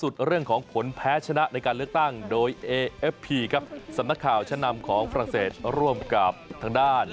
เจ้าชายของฟรังเศษร่วมกับทางด้าน